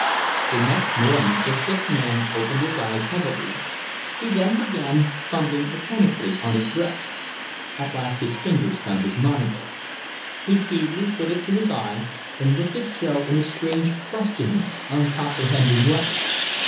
The next morning the sick man opened his eyes heavily. He then began fumbling mechanically on his breast. At last his fingers found his monocle. He feebly put it to his eye, and looked at Jo in a strange, questioning, uncomprehending way.